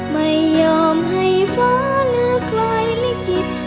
ไม่ยอมให้ฟ้าเหลือกลอยลิขิต